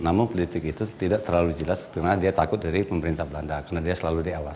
namun politik itu tidak terlalu jelas karena dia takut dari pemerintah belanda karena dia selalu diawasi